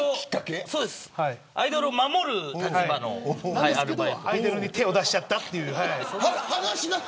アイドルをなのに、アイドルに手を出しちゃったという。